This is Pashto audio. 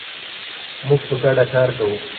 موږ په ګډه کار کوو.